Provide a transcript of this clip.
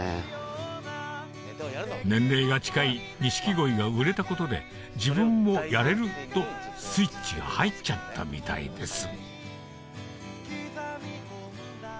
年齢が近い錦鯉が売れたことで「自分もやれる」とスイッチ入っちゃったみたいです